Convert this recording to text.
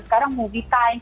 sekarang movie time